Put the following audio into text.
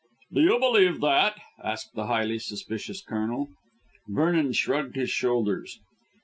"Do you believe that?" asked the highly suspicious Colonel. Vernon shrugged his shoulders.